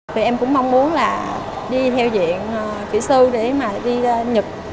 thì em cũng mong muốn là đi theo diện kỹ sư để mà đi nhật